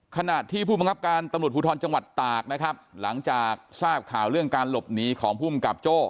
ขณะที่ผู้บังคับการตำรวจภูทรจังหวัดตากนะครับหลังจากทราบข่าวเรื่องการหลบหนีของภูมิกับโจ้